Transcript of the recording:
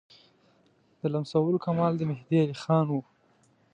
د لمسولو کمال د مهدي علیخان وو.